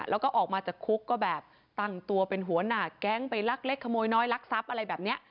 แล้วก็ออกมาจากคุกก็แต่งตัวเป็นหัวหนักแก๊งไปรักเล็กขโมยน้อยรักทรัพย์